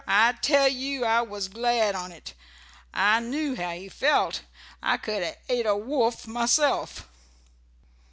I tell you I was glad on't. I knew how he felt. I could ha' ate a wolf myself."